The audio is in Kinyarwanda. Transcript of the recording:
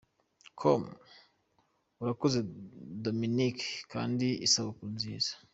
com: Urakoze Dominic kandi isabukuru nziza.